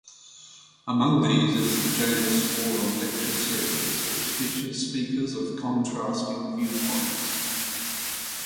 Among these is the Janus Forum Lecture Series which features speakers of contrasting viewpoints.